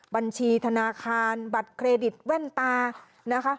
บัญชีธนาคารบัตรเครดิตแว่นตานะคะ